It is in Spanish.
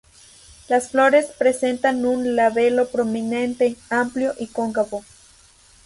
Las flores presentan un labelo prominente, amplio y cóncavo.